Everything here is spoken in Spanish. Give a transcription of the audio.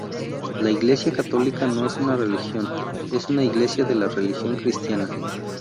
La Iglesia Católica no es una religión, es una iglesia de la Religión cristiana.